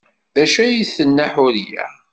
D acu ay d-tenna Ḥuriya?